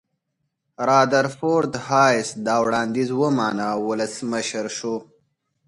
رادرفورد هایس دا وړاندیز ومانه او ولسمشر شو.